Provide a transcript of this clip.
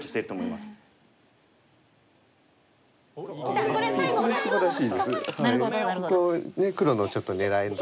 すばらしい。